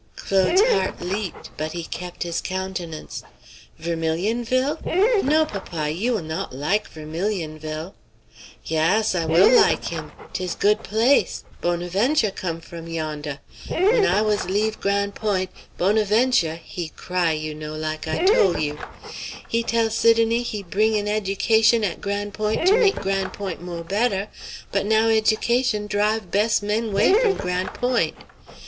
Claude's heart leaped, but he kept his countenance. "Vermilionville? No, papa; you will not like Vermilionville." "Yaas! I will like him. 'Tis good place! Bonaventure come from yondah. When I was leav' Gran' Point', Bonaventure, he cry, you know, like I tole you. He tell Sidonie he bringin' ed'cation at Gran' Point' to make Gran' Point' more better, but now ed'cation drive bes' men 'way from Gran' Point'.